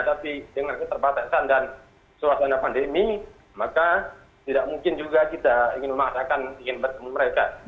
tapi dengan keterbatasan dan suasana pandemi maka tidak mungkin juga kita ingin memaksakan ingin bertemu mereka